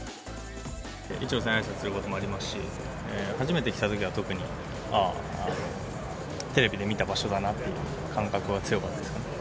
イチローさんにあいさつすることもありますし、初めて来たときは特に、あっ、テレビで見た場所だなっていう感覚が強かったですかね。